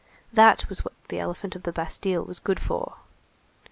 That was what the elephant of the Bastille was good for.